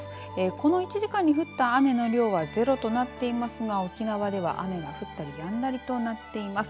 この１時間に降った雨の量はゼロとなっていますが沖縄では雨が降ったりやんだりとなっています。